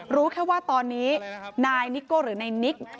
รู้แค่ว่าตอนนี้นายนิโก้หรือนายนิก